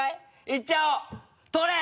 いっちゃおう取れ！